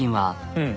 うん。